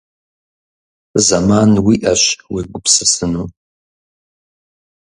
Зэман уиӀащ уегупсысыну.